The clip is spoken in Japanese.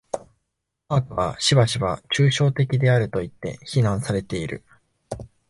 科学はしばしば抽象的であるといって非難されている。